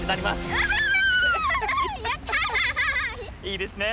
いいですね！